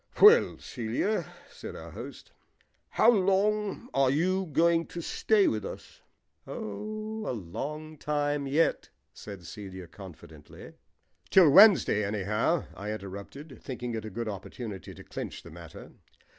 "Well, Celia," said our host, "how long are you going to stay with us?" "Oh, a long time yet," said Celia confidently. "Till Wednesday, anyhow," I interrupted, thinking it a good opportunity to clinch the matter.